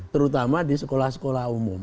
terutama di sekolah sekolah umum